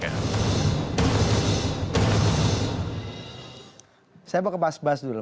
saya mau ke mas bas dulu